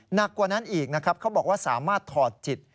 หนักกว่านั้นอีกนะครับเขาบอกว่าสามารถถอดจิต